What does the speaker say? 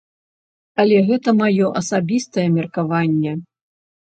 Але гэтае маё асабістае меркаванне.